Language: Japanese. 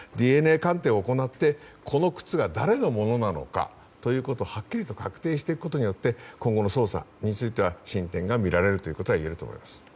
ＤＮＡ鑑定を行ってこの靴が誰のものなのかということをはっきりと確定していくことによって今後の捜査について進展がみられるということはいえると思います。